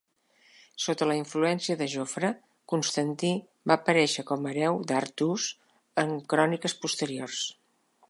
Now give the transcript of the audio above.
Sota la influència de Jofre, Constantí va aparèixer com hereu d'Artús en cròniques posteriors.